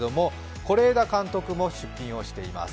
是枝監督も出品をしています。